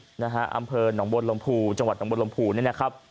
ตำบลกุจิกอำเภอหนังบนลมผูจังหวัดหนังบนลมผูนี่นะครับ